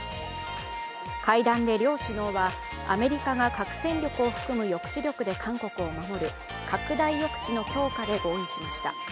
会談で両首脳は、アメリカが核戦力を含む抑止力で韓国を守る拡大抑止の強化で合意しました。